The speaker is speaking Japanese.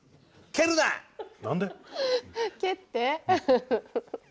蹴って。